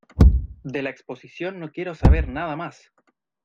¡De la exposición no quiero saber nada más!